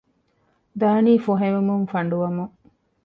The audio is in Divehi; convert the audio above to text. ދާނީ ފޮހެވެމުން ފަނޑުވަމުން